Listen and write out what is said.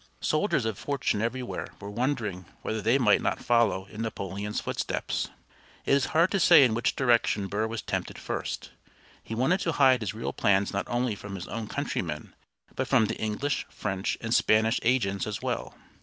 Soldiers of fortune everywhere were wondering whether they might not follow in Napoleon's footsteps. It is hard to say in which direction Burr was tempted first. He wanted to hide his real plans not only from his own countrymen, but from the English, French, and Spanish agents as well.